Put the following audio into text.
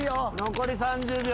残り３０秒。